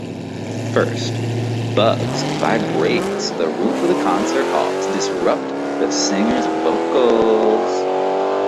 First, Bugs vibrates the roof of the concert hall to disrupt the singer's vocals.